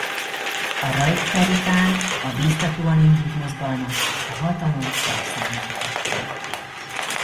A Rajk-per után a biztatóan indult mozgalmat a hatalom felszámolta.